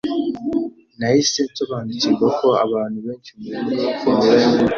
Nahise nsobanukirwa ko abantu benshi mu bigo binyuranye